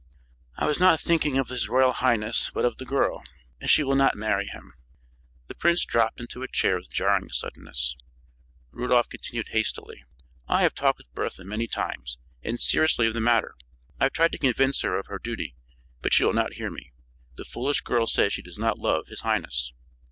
"I was not thinking of his royal highness, but of the girl. She will not marry him." The prince dropped into a chair with jarring suddenness. Rudolph continued hastily: "I have talked with Bertha many times and seriously of the matter; I have tried to convince her of her duty; but she will not hear me. The foolish girl says she does not love his highness."